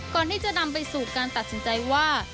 ก่อนที่จะนำไปสู่การตัดสินใจว่า